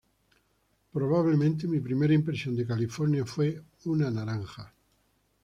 Probablemente mi primera impresión de California fue una naranja.